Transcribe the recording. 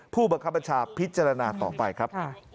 ผู้บังคับบัญชาพิจารณาต่อไปครับ